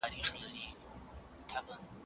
فساد ټولني ته تاوان رسوي.